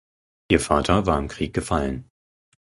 Ihr Vater war im Krieg gefallen.